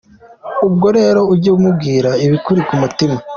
Ubwo rero ujye umubwira ibikuri ku mutima.